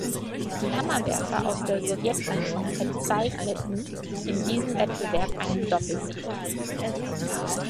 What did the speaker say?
Die Hammerwerfer aus der Sowjetunion verzeichneten in diesem Wettbewerb einen Doppelsieg.